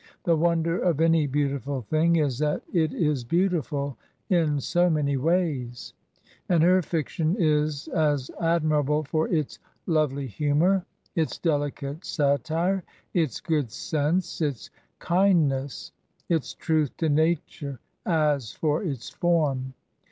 The wonder of any beautiful thing is that it is beautiful in so many ways ; and her fiction is as admirable for its lovely humor , i ts delicate satire i ts good sen s^, its kind nesSj its truth to nature, a s for its form.